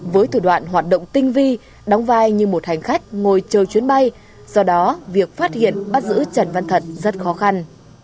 với thủ đoạn hoạt động tinh vi đóng vai như một hành khách ngồi chờ chuyến bay do đó việc phát hiện bắt giữ trần văn thận rất khó khăn